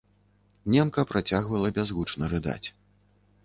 Немка працягвала бязгучна рыдаць.